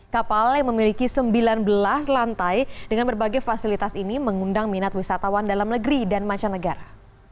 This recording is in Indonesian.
kapal yang memiliki sembilan belas lantai dengan berbagai fasilitas ini mengundang minat wisatawan dalam negeri dan mancanegara